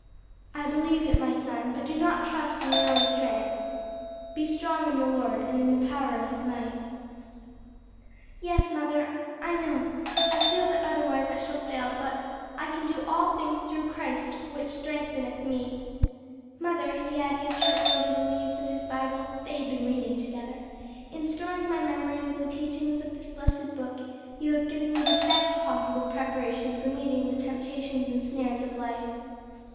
"I believe it, my son, but do not trust in your own strength. 'Be strong in the Lord, and in the power of his might.'" "Yes, mother, I know, I feel that otherwise I shall fail; but 'I can do all things through Christ which strengtheneth me.' Mother," he added, turning over the leaves of his Bible (they had been reading together), "in storing my memory with the teachings of this blessed book, you have given me the best possible preparation for meeting the temptations and snares of life."